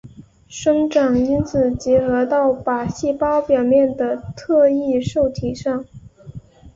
生长因子结合到靶细胞表面的特异受体上。